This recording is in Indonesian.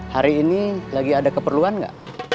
hari ini lagi ada keperluan nggak